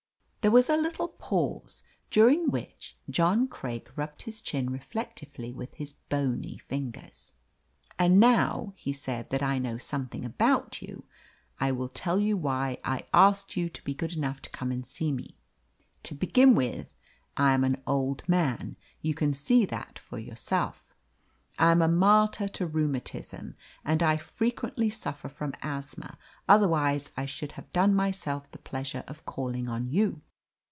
There was a little pause, during which John Craik rubbed his chin reflectively with his bony fingers. "And now," he said, "that I know something about you, I will tell you why I asked you to be good enough to come and see me. To begin with, I am an old man; you can see that for yourself. I am a martyr to rheumatism, and I frequently suffer from asthma, otherwise I should have done myself the pleasure of calling on you.